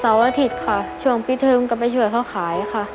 อาทิตย์ค่ะช่วงปีเทิมก็ไปช่วยเขาขายค่ะ